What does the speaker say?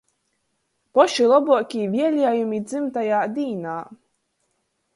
Poši lobuokī vieliejumi dzymtajā dīnā!